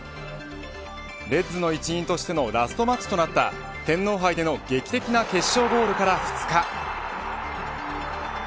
レッズの一員としてのラストマッチとなった天皇杯での劇的な決勝ゴールから２日。